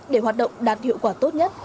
để hoạt động đạt hiệu quả tốt nhất